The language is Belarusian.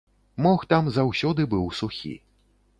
Мох там заўсёды быў сухі.